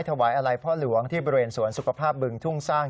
วาอาลัยพ่อหลวงที่บริเวณสวนสุขภาพบึงทุ่งสร้าง